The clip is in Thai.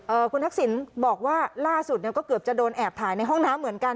คุณทักษิณบอกว่าล่าสุดเนี่ยก็เกือบจะโดนแอบถ่ายในห้องน้ำเหมือนกัน